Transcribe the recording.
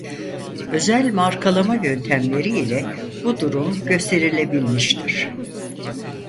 Özel markalama yöntemleri ile bu durum gösterilebilmiştir.